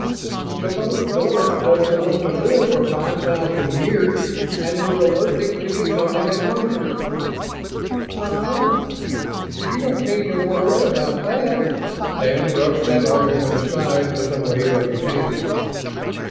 Suppose Doris doesn't want to live for five thousand years and is allergic to becoming a monster?" "Huh; you don't need to worry about that." Sam brushed that argument aside with a wave of his hand.